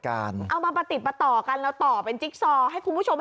เอามาประติดประต่อกันเราต่อเป็นจิ๊กซอให้คุณผู้ชม